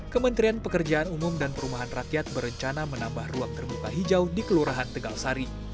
kementerian pekerjaan umum dan perumahan rakyat berencana menambah ruang terbuka hijau di kelurahan tegal sari